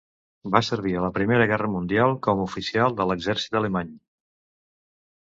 Va servir a la Primera Guerra Mundial com a oficial de l'exèrcit alemany.